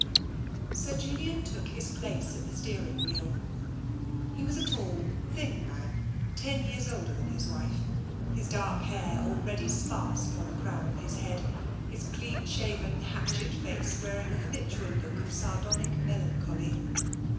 Sir Julian took his place at the steering wheel. He was a tall, thin man, ten years older than his wife, his dark hair already sparse upon the crown of his head, his clean shaven hatchet face wearing an habitual look of sardonic melancholy.